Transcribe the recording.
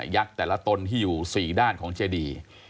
แต่ละตนที่อยู่๔ด้านของเจดี